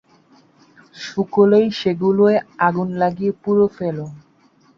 শুকোলেই সেগুলোয় আগুন লাগিয়ে পুড়ে ফেলে।